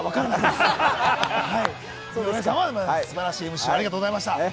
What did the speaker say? すばらしいＭＣをありがとうございました。